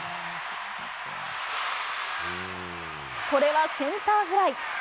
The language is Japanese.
これはセンターフライ。